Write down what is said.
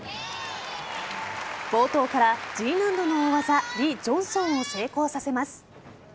冒頭からＧ難度の大技リ・ジョンソンを成功させます。